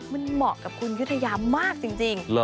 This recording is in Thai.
มันเหมาะกับคุณยุธยามากจริง